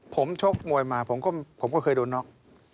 ผมชกมวยมาผมก็เคยโดนน็อก